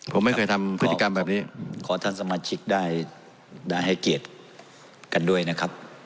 ผมไม่เคยทำพฤติกรรมแบบนี้ขอท่านสมาชิกได้ให้เกียรติกันด้วยนะครับ